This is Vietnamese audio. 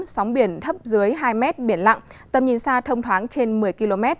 sóng biển thấp dưới hai m biển lặng tầm nhìn xa thông thoáng trên một mươi km